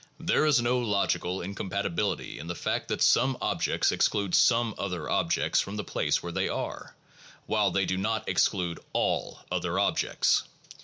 There is no logical incompatibility in the fact that some objects exclude some other objects from the place where they are, while they do not exclude all other objects.